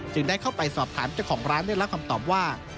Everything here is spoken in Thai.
จึงได้เข้าไปสอบถามเจ้าของร้านด้วยแล้วความตอบว่า